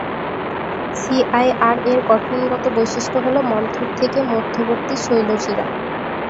সিআইআর-এর গঠনগত বৈশিষ্ট্য হল মন্থর থেকে মধ্যবর্তী শৈলশিরা।